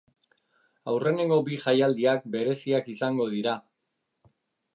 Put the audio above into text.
Aurreneko bi jaialdiak bereziak izango dira.